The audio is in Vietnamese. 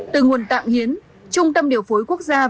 từ nguồn tạng hiến trung tâm điều phối quốc gia